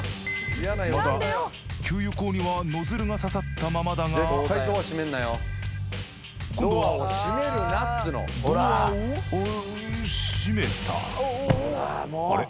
まだ給油口にはノズルがささったままだが今度はドアを閉めたあれ？